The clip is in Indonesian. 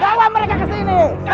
bawa mereka kesini